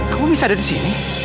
kamu bisa ada disini